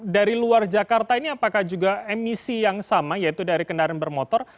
dari luar jakarta ini apakah juga emisi yang sama yaitu dari kendaraan bermotor